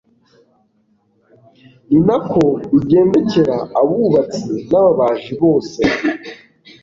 ni na ko bigendekera abubatsi n'ababaji bose